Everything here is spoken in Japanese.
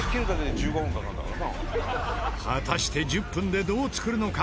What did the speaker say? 果たして１０分でどう作るのか？